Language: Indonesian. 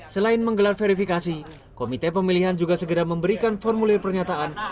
selain menggelar verifikasi komite pemilihan juga segera memberikan formulir pernyataan